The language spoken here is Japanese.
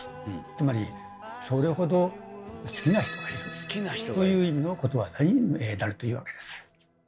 つまりそれほど好きな人がいるという意味のことわざになるというわけです。